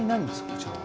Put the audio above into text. こちらは。